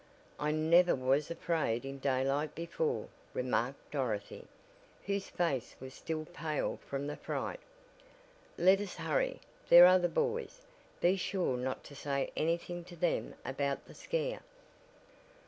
"I never was afraid in daylight before," remarked Dorothy, whose face was still pale from the fright. "Let us hurry. There are the boys. Be sure not to say anything to them about the scare."